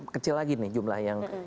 kecil lagi nih jumlah